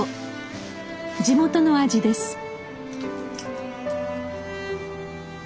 地元の味です。